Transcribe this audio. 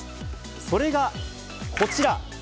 それがこちら。